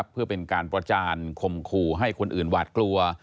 เพื่อเป็นการประจานคมขู่ให้คนอื่นหวาดกลัว